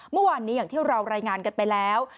เมื่อวานนี้อย่างที่เรารายงานกันไปแล้ว